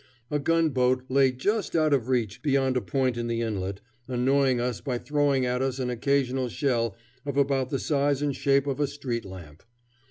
A gun boat lay just out of reach beyond a point in the inlet, annoying us by throwing at us an occasional shell of about the size and shape of a street lamp.